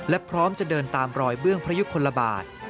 และพร้อมจะเดินตามรอยเบื้องพระยุคลบาท